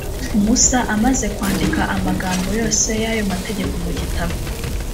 musa amaze kwandika amagambo yose y’ayo mategeko mu gitabo,